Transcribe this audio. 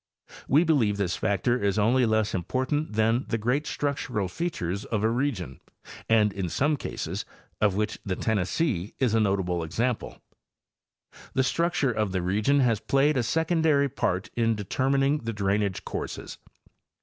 We believe this factor is only less important than the great structural features of a region, and in some eases, of which the Tennessee is a notable example, the structure of the region has played a secondary part in determining the drainage courses.